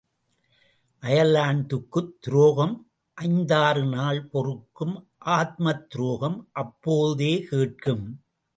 அயலார்க்குத் துரோகம் ஐந்தாறு நாள் பொறுக்கும் ஆத்மத் துரோகம் அப்போதே கேட்கும்.